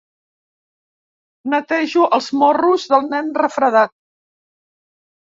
Netejo els morros del nen refredat.